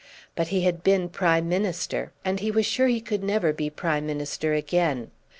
But he had been Prime Minister, and he was sure he could never be Prime Minister again.